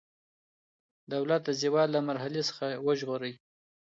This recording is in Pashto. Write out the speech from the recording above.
دولت د زوال له مرحلې څخه وژغورئ.